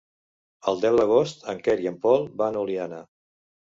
El deu d'agost en Quer i en Pol van a Oliana.